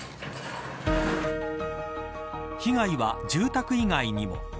被害は住宅以外にも。